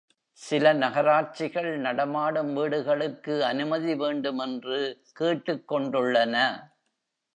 சில நகராட்சிகள் நடமாடும் வீடுகளுக்கு அனுமதி வேண்டும் என்று கேட்டுக்கொண்டுள்ளன.